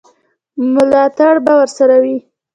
ملاتړ به ورسره وي.